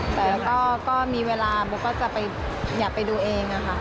แต่ก็มีเวลาโบก็จะอยากไปดูเองค่ะ